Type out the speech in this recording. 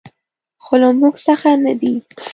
خو له موږ څخه نه دي .